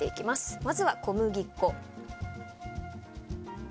まずは小麦粉。